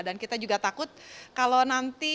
dan kita juga takut kalau nanti